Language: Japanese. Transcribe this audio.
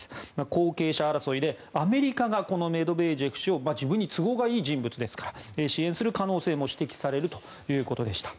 後継者争いでアメリカがこのメドベージェフ氏を自分に都合がいい人物ですから支援する可能性も指摘されるということでした。